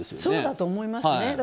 そうだと思いますね。